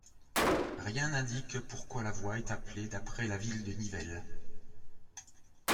Rien n'indique pourquoi la voie est appelée d'après la ville de Nivelles.